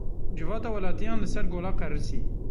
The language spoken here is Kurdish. Civata welatiyan li ser gola qerisî.